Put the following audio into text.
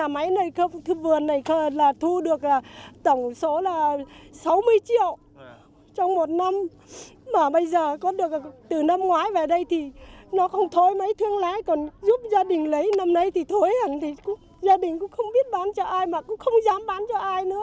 mà bây giờ có được từ năm ngoái về đây thì nó không thối mấy thương lái còn giúp gia đình lấy năm nay thì thối hẳn gia đình cũng không biết bán cho ai mà cũng không dám bán cho ai nữa